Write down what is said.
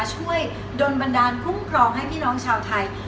ช่วยโดนบันดาลคุ้มครองให้พี่น้องชาวไทย